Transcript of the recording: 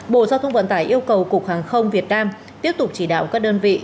bộ giao thông vận tải yêu cầu cục hàng không việt nam tiếp tục chỉ đạo các đơn vị